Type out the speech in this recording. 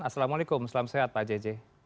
assalamualaikum selamat sehat pak jj